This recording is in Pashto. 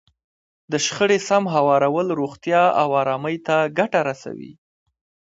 د شخړې سم هوارول روغتیا او ارامۍ ته ګټه رسوي.